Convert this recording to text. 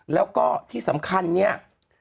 แล้วก็ที่สำคัญเนี่ย